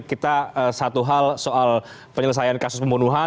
kita satu hal soal penyelesaian kasus pembunuhan